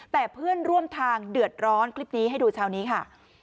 แต่เพื่อนร่วมทางเดือดร้อนคลิปนี้ให้ดูเช้านี้ค่ะ